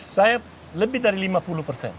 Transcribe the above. saya lebih dari lima puluh persen